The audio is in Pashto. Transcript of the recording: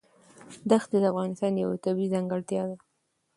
دښتې د افغانستان یوه طبیعي ځانګړتیا ده.